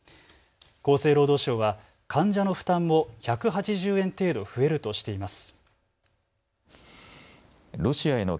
厚生労働省は患者の負担も１８０円程度増えるとしています。